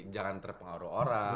jangan terpengaruhi orang